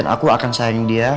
dan aku akan sayang dia